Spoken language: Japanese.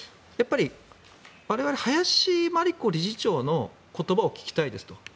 我々、林真理子理事長の言葉を聞きたいですと。